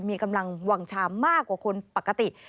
มีกำลังวางชามมากกว่าคนปกติ